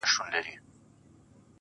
گلابي شونډي يې د بې په نوم رپيږي_